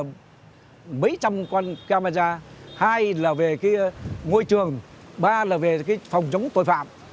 mấy trăm camera hai là về cái ngôi trường ba là về cái phòng chống tội phạm